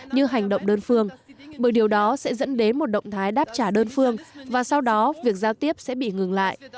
như hành động đơn phương bởi điều đó sẽ dẫn đến một động thái đáp trả đơn phương và sau đó việc giao tiếp sẽ bị ngừng lại